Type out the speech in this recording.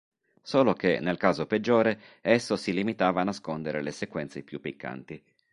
Solo che, nel caso peggiore, esso si limitava a nascondere le sequenze più piccanti.